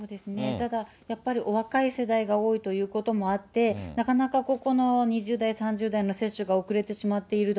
ただやっぱりお若い世代が多いということもあって、なかなかここの２０代、３０代の接種が遅れてしまっていると。